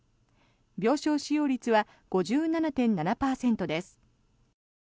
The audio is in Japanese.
病床使用率は５７．７％です。